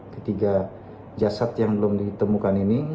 ketiga jasad yang belum ditemukan ini